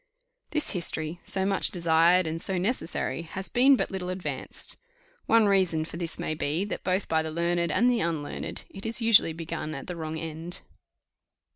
This history, so much desired and so necessary, has been but little advanced. One reason for this may be, that both by the learned and the unlearned it is usually begun at the wrong end.